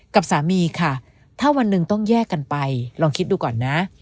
กับสามีค่ะถ้าวันหนึ่งต้องแยกกันไปลองคิดดูก่อนนะ